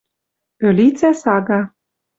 Ӧлицӓ сага